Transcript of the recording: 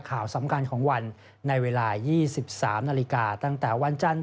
ข่าวสำคัญของวันในเวลา๒๓นาฬิกาตั้งแต่วันจันทร์